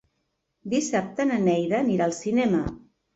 Dissabte na Neida anirà al cinema.